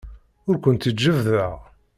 Ur kent-id-jebbdeɣ.